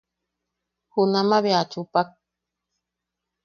Junama bea a chupak.